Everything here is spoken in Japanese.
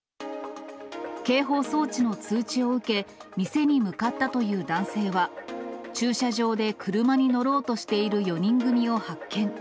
警報装置の通知を受け、店に向かったという男性は、駐車場で車に乗ろうとしている４人組を発見。